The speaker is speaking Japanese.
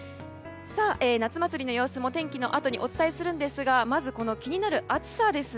夏祭りの様子も天気のあとにお伝えするんですがまず、気になる暑さです。